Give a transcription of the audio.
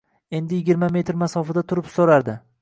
Endi yigirma metr masofada turib soʻradi